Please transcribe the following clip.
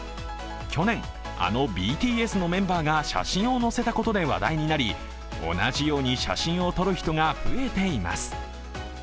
去年、あのＢＴＳのメンバーが写真を載せたことで話題となり、同じように写真を撮る人が増えています。